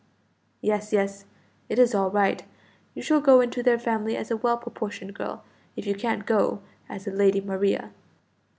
"Yes, yes! it is all right. You shall go into their family as a well portioned girl, if you can't go as a Lady Maria.